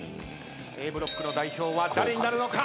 Ａブロックの代表は誰になるのか。